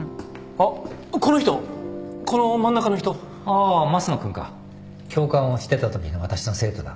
ああ益野君か教官をしてたときの私の生徒だ。